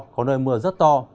có nơi mưa rất to